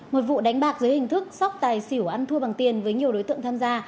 một vụ đánh bạc dưới hình thức sóc tài xỉu ăn thua bằng tiền với nhiều đối tượng tham gia